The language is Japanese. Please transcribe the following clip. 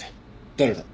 誰だ？